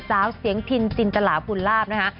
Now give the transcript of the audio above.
สาวเสียงทินจินตลาภูลลาบนะคะ